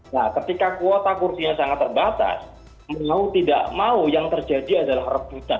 nah ketika kuota kursinya sangat terbatas mau tidak mau yang terjadi adalah rebutan